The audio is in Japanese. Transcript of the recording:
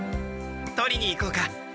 とりに行こうか！